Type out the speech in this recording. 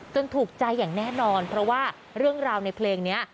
ถูกใจอย่างแน่นอนเพราะว่าเรื่องราวในเพลงนี้